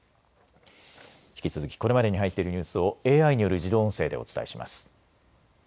引き続きこれまでに入っているニュースをＡＩによる自動音声でお伝えします。